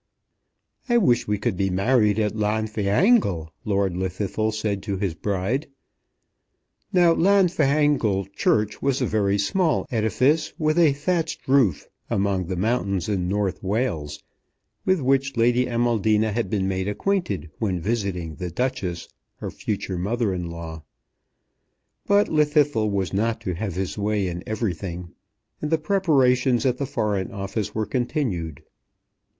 "I wish we could be married at Llanfihangel," Lord Llwddythlw said to his bride. Now Llanfihangel church was a very small edifice, with a thatched roof, among the mountains in North Wales, with which Lady Amaldina had been made acquainted when visiting the Duchess, her future mother in law. But Llwddythlw was not to have his way in everything, and the preparations at the Foreign Office were continued.